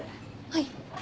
はい。